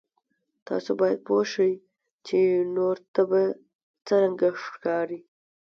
تاسو باید پوه شئ چې نورو ته به څرنګه ښکارئ.